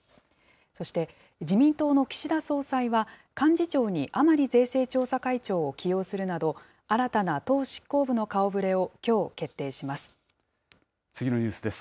そして自民党の岸田総裁は、幹事長に甘利税制調査会長を起用するなど、新たな党執行部の顔ぶれをきょう、決定します。